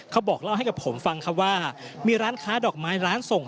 เขาบอกเล่าให้กับผมฟังครับว่ามีร้านค้าดอกไม้ร้านส่ง